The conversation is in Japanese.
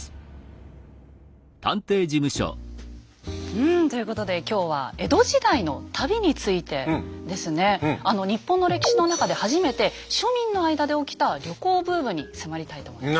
うんということで今日は「江戸時代の旅」についてですね日本の歴史の中で初めて庶民の間で起きた旅行ブームに迫りたいと思います。